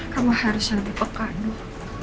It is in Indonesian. kamu harus lebih pekaduh